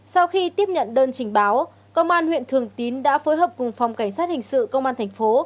sau khi tiếp nhận đơn trình báo công an huyện thường tín đã phối hợp cùng phòng cảnh sát hình sự công an thành phố